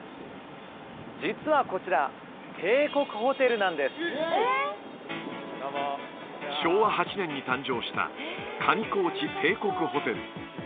実はこちら帝国ホテルなんです昭和８年に誕生した上高地帝国ホテル